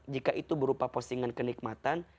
jika itu berupa postingan kenikmatan